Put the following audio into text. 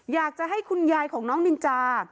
อยากจะให้คุณยายของน้องนินจา